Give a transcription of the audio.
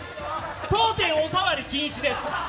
当店、お触り禁止です。